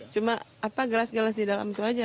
cuma gelas gelas di dalam itu aja